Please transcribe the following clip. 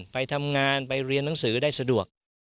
ไปทำงานไปเรียนหนังสือได้สะดวก